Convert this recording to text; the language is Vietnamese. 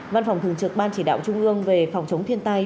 văn phòng thường trực ban chỉ đạo trung ương về phòng chống thiên tai